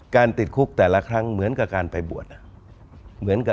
การติดคุกแต่ละครั้งเหมือนกับการไปบวช